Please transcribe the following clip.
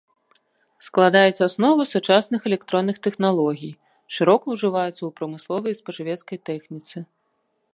Складаюць аснову сучасных электронных тэхналогій, шырока ўжываюцца ў прамысловай і спажывецкай тэхніцы.